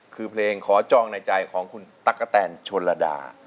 คือเพลงขอจองในใจของคุณตั๊กกะแตนชนระดา